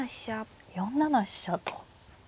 ４七飛車と。